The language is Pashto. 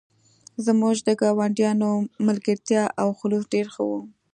زموږ د ګاونډیانو ملګرتیا او خلوص ډیر ښه و